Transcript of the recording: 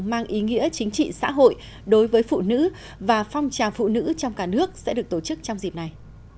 mang ý nghĩa chính trị xã hội đối với phụ nữ và phong trào phụ nữ trong cả nước sẽ được tổ chức trong dịp này